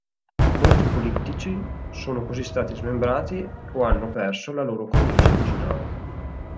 Molti polittici sono così stati smembrati o hanno perso la loro cornice originale.